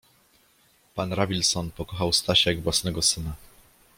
Pan Rawlison pokochał Stasia jak własnego syna.